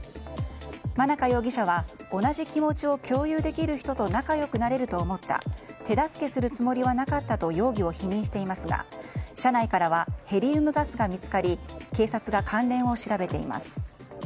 間中容疑者は同じ気持ちを共有できる人と仲良くなれると思った手助けするつもりはなかったと容疑を否認していますが車内からはヘリウムガスが見つかり警察が関連を調べています。